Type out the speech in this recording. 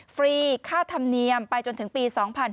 ฟรีค่าธรรมเนียมไปจนถึงปี๒๕๕๙